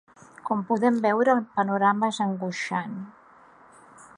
Com podem veure, el panorama és angoixant.